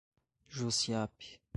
Jussiape